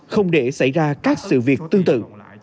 không để xảy ra các sự việc tương tự